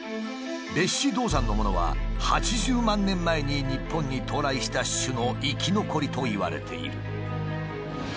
別子銅山のものは８０万年前に日本に到来した種の生き残りといわれている。